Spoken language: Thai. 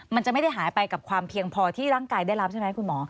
มันจะไม่ได้หายไปกับความเพียงพอที่ร่างกายได้รับใช่ไหมคุณหมอ